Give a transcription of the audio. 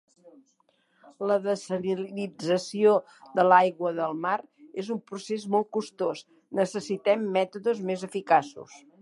La dessalinització de l'aigua de mar és un procés molt costós. Necessitem mètodes més eficaços.